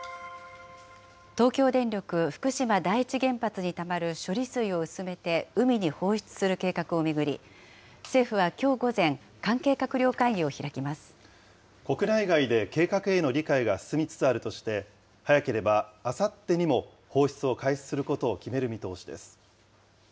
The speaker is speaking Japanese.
東京電力福島第一原発にたまる処理水を薄めて海に放出する計画を巡り、政府はきょう午前、関係閣国内外で計画への理解が進みつつあるとして、早ければあさってにも、放出を開始することを決める見通しです。